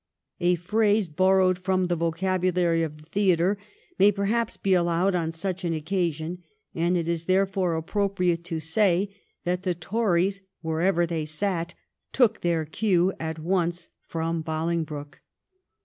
A phrase borrowed from the vocabulary of the theatre may, perhaps, be allowed on such an occa sion, and it is therefore appropriate to say that the Tories, wherever they sat, took their cue at once from Bolingbroke.